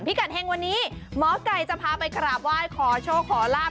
กัดเฮงวันนี้หมอไก่จะพาไปกราบไหว้ขอโชคขอลาบ